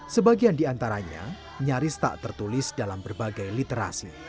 sebagian di antaranya nyaris tak tertulis dalam berbagai literasi